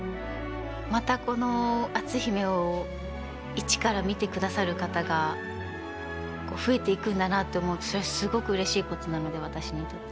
またこの「篤姫」を一から見てくださる方が増えていくんだなって思うとそれはすごくうれしいことなので私にとって。